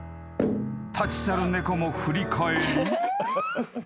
［立ち去る猫も振り返り］